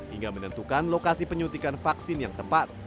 hingga menentukan lokasi penyuntikan vaksin yang tepat